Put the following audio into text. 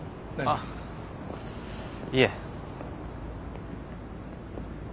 あっいえ。